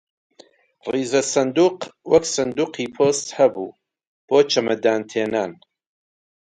ڕیزە سندووق وەک سندووقی پۆست هەبوو بۆ چەمەدان تێنان